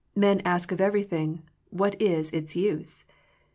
Men ask of everything. What is its use?